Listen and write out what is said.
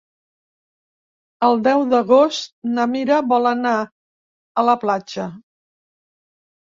El deu d'agost na Mira vol anar a la platja.